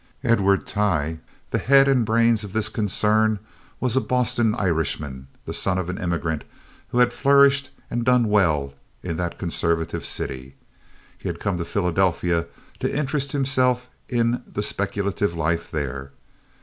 Edward Tighe, the head and brains of this concern, was a Boston Irishman, the son of an immigrant who had flourished and done well in that conservative city. He had come to Philadelphia to interest himself in the speculative life there.